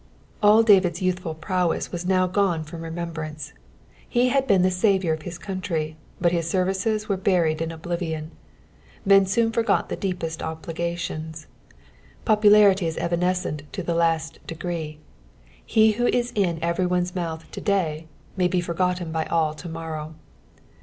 All David's youthful prowesa was now gone from remembrance ;'hB had been the saviour of hia conntry, but hia services were buried in oblivion. Men soon forget the deepest obligations ; popnlarity ia evsnesccut to the last degree : he who ia iu every one's mouth to day may bo forgotten by all to morrow.